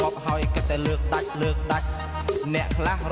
ไปดูเลยค่ะ